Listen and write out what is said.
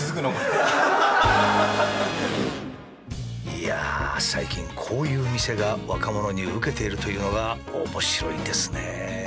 いやあ最近こういう店が若者にウケているというのが面白いですね。